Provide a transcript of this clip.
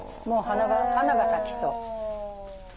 もう花が咲きそう。